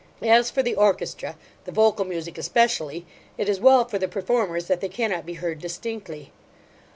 As for the orchestra, the vocal music especially, it is well for the performers that they cannot be heard distinctly.